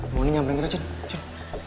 mau ini nyamperin kita cocok